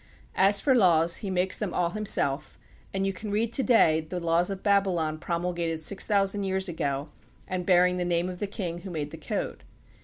As for laws, he makes them all himself, and you can read to day the laws of Babylon promulgated six thousand years ago and bearing the name of the king who made the code.